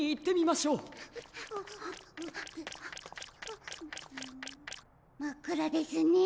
まっくらですね。